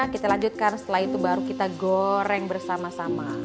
kita lanjutkan setelah itu baru kita goreng bersama sama